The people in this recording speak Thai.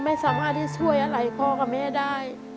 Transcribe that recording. ไม่สามารถที่ช่วยอะไรพ่อกับแม่ได้